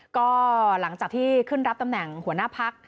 ก็หลังจากที่ขึ้นรับตำแหน่งหัวหน้าพัก